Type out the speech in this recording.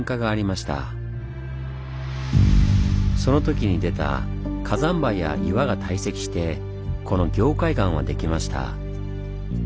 そのときに出た火山灰や岩が堆積してこの凝灰岩はできました。